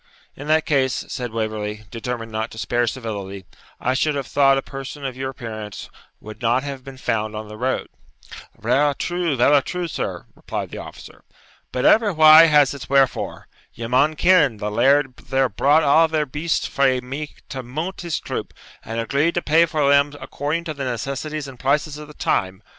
'In that case,' said Waverley, determined not to spare civility, 'I should have thought a person of your appearance would not have been found on the road.' 'Vera true, vera true, sir,' replied the officer, 'but every why has its wherefore. Ye maun ken, the laird there bought a' thir beasts frae me to munt his troop, and agreed to pay for them according to the necessities and prices of the time.